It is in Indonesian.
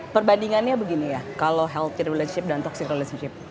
perbandingannya begini ya kalau healthy relationship dan toxic relationship